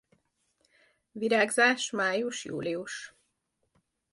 Virágzás május-július.